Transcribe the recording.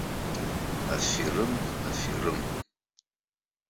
Аферым, аферым.